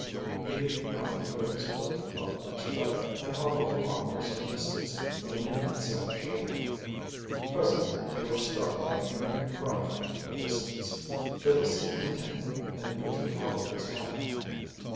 The youth now declared his foot felt much better and hobbled along for some distance by leaning on Sam's shoulder. Presently they were startled by hearing a cry from a distance. They listened intently, then Cujo held up his hand.